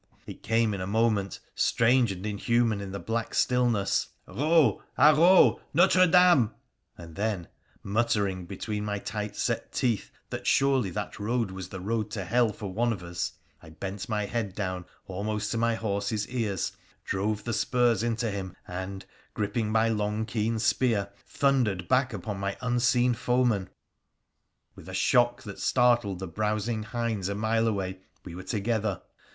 It came in a moment, strange and inhuman in the black stillness, ' Eou ! Ha Eou ! Notre Dame !' and then — muttering between my tight set teeth that surely that road was the road to hell for one of us — I bent my head down almost to my horse's ears, drove the spurs into him, and, gripping my long keen spear, thundered back upon my unseen foeman. With a shock that startled the browsing hinds a mile away, we were together.